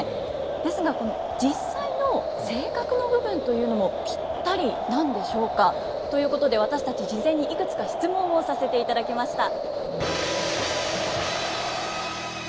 ですが実際の性格の部分というのもピッタリなんでしょうか？ということで私たち事前にいくつか質問をさせていただきました。